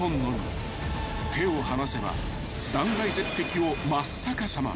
［手を離せば断崖絶壁を真っ逆さま］